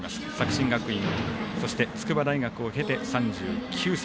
作新学院、そして筑波大学を経て３９歳。